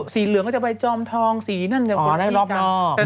สีเหลืองก็จะไปจอมทองสีนั้นก็ไปสีค่ะ